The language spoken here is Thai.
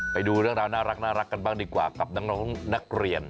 ไปดูเรื่องราวน่ารักกันบ้างดีกว่ากับน้องนักเรียน